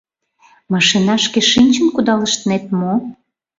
Машинашке шинчын кудалыштнет мо?